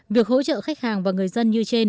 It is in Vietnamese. việc hỗ trợ khách hàng và người dân như